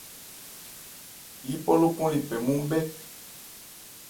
Yípɔ lókɔn le pɛ nmɔ́n-'bhɛ.